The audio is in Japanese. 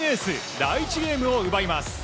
第１ゲームを奪います。